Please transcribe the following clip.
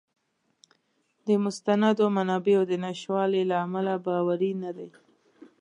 د مستندو منابعو د نشتوالي له امله باوری نه دی.